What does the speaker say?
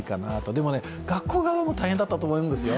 でも、学校側も大変だったと思うんですよ。